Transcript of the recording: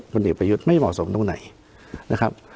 ถ้าท่านอ่ะหมุนสิรพยุทธไม่มอบสมตรงไหนนะครับ